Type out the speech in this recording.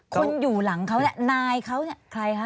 คนอยู่หลังเขาเนี่ยนายเขาเนี่ยใครคะ